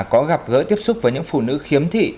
có gặp gỡ tiếp xúc với những phụ nữ khiếm thị